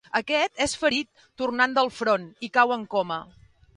Aquest és ferit tornant del front, i cau en coma.